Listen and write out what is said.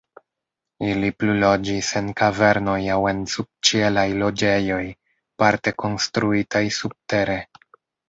Ili plu loĝis en kavernoj aŭ en subĉielaj loĝejoj, parte konstruitaj subtere.